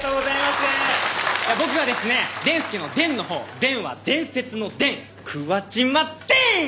僕がですねでんすけの「でん」のほう「でん」は伝説の「伝」桑島伝！